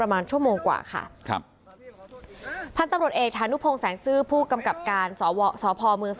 มีกล้วยติดอยู่ใต้ท้องเดี๋ยวพี่ขอบคุณ